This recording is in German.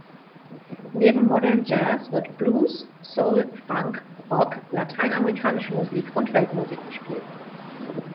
Neben Modern Jazz wird Blues, Soul, Funk, Rock, lateinamerikanische Musik und Weltmusik gespielt.